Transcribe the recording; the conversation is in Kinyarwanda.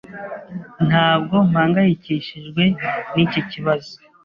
Ntabwo mpangayikishijwe n'iki kibazo.